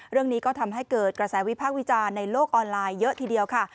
เรื่องนี้ก็ทำให้เกิดกระแสวิพากษ์วิจารณ์ในโลกออนไลน์เยอะทีเดียวค่ะ